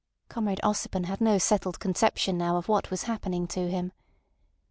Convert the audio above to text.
Comrade Ossipon had no settled conception now of what was happening to him.